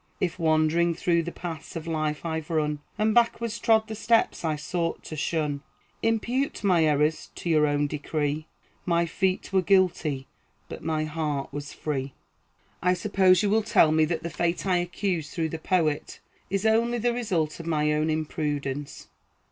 If wandering through the paths of life I've run, And backward trod the steps I sought to shun, Impute my errors to your own decree; My feet were guilty, but my heart was free." I suppose you will tell me that the fate I accuse through the poet is only the result of my own imprudence.